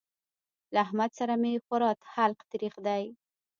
له احمد سره مې خورا حلق تريخ دی.